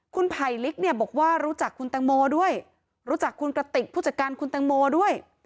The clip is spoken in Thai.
คุณไผลลิกเนี่ยบอกว่ารู้จักคุณแตงโมด้วยรู้จักคุณกระติกผู้จัดการคุณแตงโมด้วย